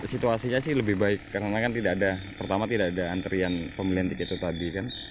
situasinya sih lebih baik karena kan tidak ada pertama tidak ada antrian pembelian tiket itu tadi kan